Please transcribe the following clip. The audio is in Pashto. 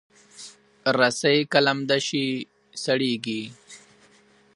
رسۍ که لمده شي، سړېږي.